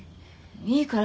いいから。